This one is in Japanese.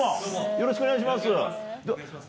よろしくお願いします。